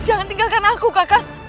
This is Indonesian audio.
jangan tinggalkan aku kakak